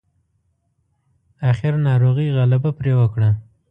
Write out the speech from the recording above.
اخير ناروغۍ غلبه پرې وکړه.